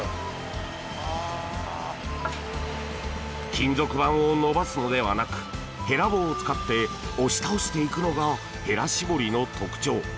金属板を伸ばすのではなくへら棒を使って押し倒していくのがへら絞りの特徴。